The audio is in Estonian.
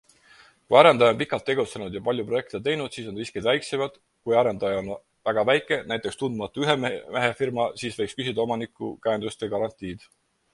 Kui arendaja on pikalt tegutsenud ja palju projekte teinud, siis on riskid väiksemad, kui arendaja on väga väike, näiteks tundmatu ühemehefirma, siis võiks küsida omaniku käendust või garantiid.